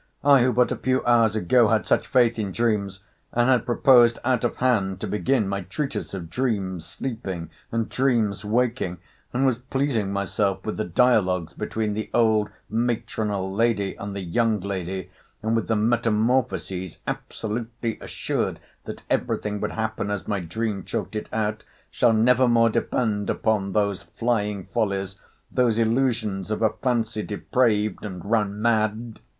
—I, who but a few hours ago had such faith in dreams, and had proposed out of hand to begin my treatise of dreams sleeping and dreams waking, and was pleasing myself with the dialogues between the old matronal lady and the young lady, and with the metamorphoses, (absolutely assured that every thing would happen as my dream chalked it out,) shall never more depend upon those flying follies, those illusions of a fancy depraved, and run mad.